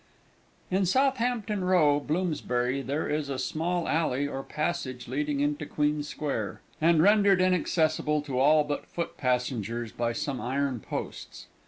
_ In Southampton Row, Bloomsbury, there is a small alley or passage leading into Queen Square, and rendered inaccessible to all but foot passengers by some iron posts.